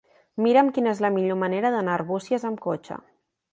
Mira'm quina és la millor manera d'anar a Arbúcies amb cotxe.